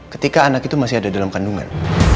ketika anak itu masih ada dalam kandungan